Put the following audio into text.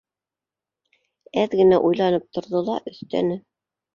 — Әҙ генә уйланып торҙо ла өҫтә не